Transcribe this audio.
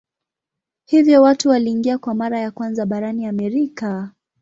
Hivyo watu waliingia kwa mara ya kwanza barani Amerika.